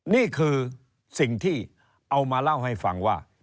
นี่คือสิ่งที่เอามาเล่าให้ฟังว่า